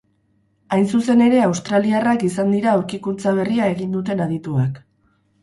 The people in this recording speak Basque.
Hain zuzen ere australiarrak izan dira aurkikuntza berria egin duten adituak.